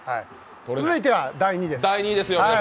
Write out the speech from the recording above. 続いては第２位です。